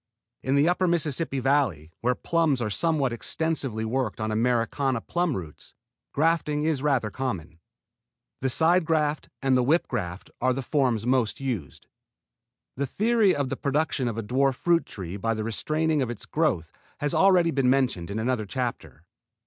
In the upper Mississippi Valley, where plums are somewhat extensively worked on Americana plum roots, grafting is rather common. The side graft and the whip graft are the forms most used. The theory of the production of a dwarf fruit tree by the restraining of its growth has already been mentioned in another chapter.